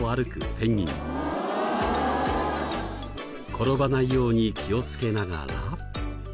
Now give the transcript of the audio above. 転ばないように気をつけながら。